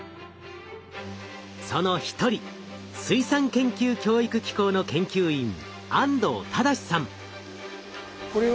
その一人水産研究・教育機構の研究員